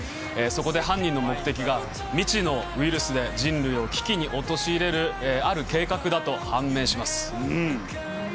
そこで犯人の目的が、未知のウイルスで人類を危機に陥れる、ある計画だと判明します。